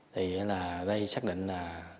thì là đây xác định là